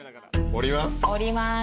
降ります。